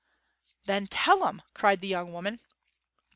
'Then tell 'em!' cried the young woman.